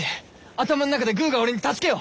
頭ん中でグーが俺に助けを！